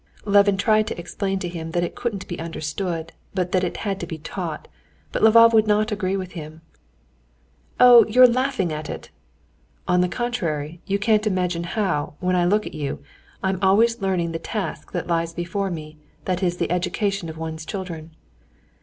Levin tried to explain to him that it couldn't be understood, but that it had to be taught; but Lvov would not agree with him. "Oh, you're laughing at it!" "On the contrary, you can't imagine how, when I look at you, I'm always learning the task that lies before me, that is the education of one's children."